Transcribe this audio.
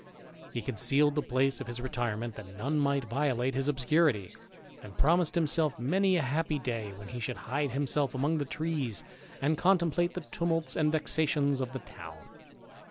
He concealed the place of his retire ment, that none might violate his obscurity ; and promised himself many a happy day when he should hide himself among the trees, and contemplate the tumults and vexations of the town.